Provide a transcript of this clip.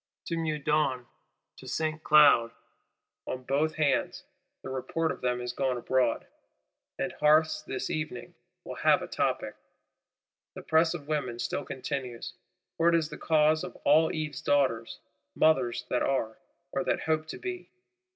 To Meudon, to Saint Cloud, on both hands, the report of them is gone abroad; and hearths, this evening, will have a topic. The press of women still continues, for it is the cause of all Eve's Daughters, mothers that are, or that hope to be.